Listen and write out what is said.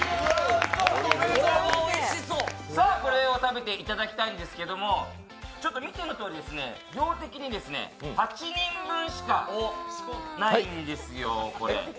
これを食べていただきたいんですけれども、ちょっと見てのとおり量的に８人分しかないんですよ、これ。